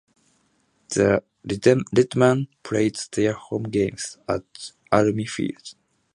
The Redmen played their home games at Alumni Field.